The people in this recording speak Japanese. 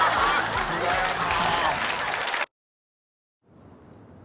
さすがやな！